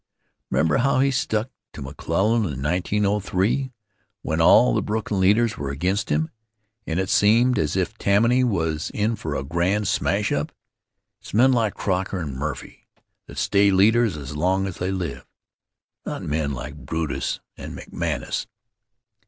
Remember how he stuck to McClellan in 1903 when all the Brooklyn leaders were against him, and it seemed as if Tammany was in for a grand smash up! It's men like Croker and Murphy that stay leaders as long as they live; not men like Brutus and McManus.